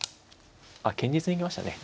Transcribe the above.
あ堅実に行きましたね。